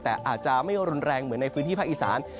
แต่อาจจะไม่รุนแรงเหมือนในพื้นที่ภาคอีสาน